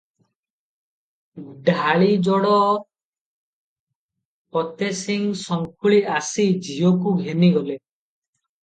ଡାଳିଯୋଡ଼ା ଫତେସିଂହ ସଙ୍ଖୁଳି ଆସି ଝିଅକୁ ଘେନିଗଲେ ।